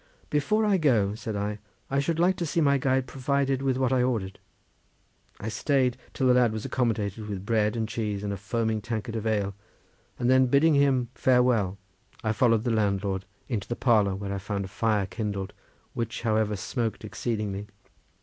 "Before I go," said I, "I should like to see my guide provided with what I ordered." I stayed till the lad was accommodated with bread and cheese and a foaming tankard of ale, and then bidding him farewell, I followed the landlord into the parlour, where I found a fire kindled, which, however, smoked exceedingly.